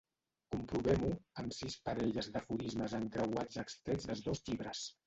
Comprovem-ho amb sis parelles d'aforismes encreuats extrets dels dos llibres.